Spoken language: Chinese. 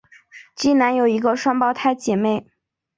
基南有一个双胞胎姊妹。